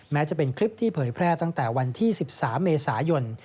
แม้จะเป็นคลิปที่เผยแพร่ตั้งแต่วันที่๑๓เมษายน